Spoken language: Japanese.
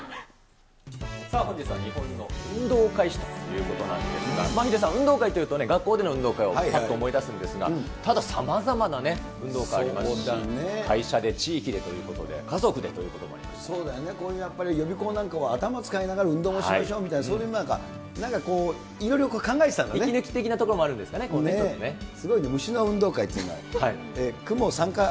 本日は日本の運動会史ということなんですが、ヒデさん、運動会というと、学校での運動会をぱっと思い出すんですが、たださまざまなね、運動会ありますし、会社で、地域でということで、そうだよね、こういうやっぱり予備校なんかは頭使いながら運動もしましょうみたいな、そういう、息抜き的なところもあるんですごいね、虫の運動会っていうのがある。